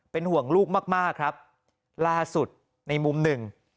เป็นห่วงลูกมากมากครับล่าสุดในมุมหนึ่ง